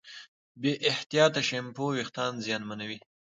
بې احتیاطه شیمپو وېښتيان زیانمنوي.